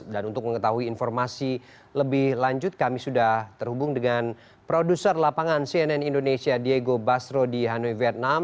untuk mengetahui informasi lebih lanjut kami sudah terhubung dengan produser lapangan cnn indonesia diego basro di hanoi vietnam